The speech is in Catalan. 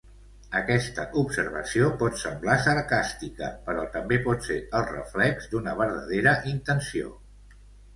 Aquesta observació pot semblar sarcàstica, però també pot ser el reflex d'una verdadera intenció.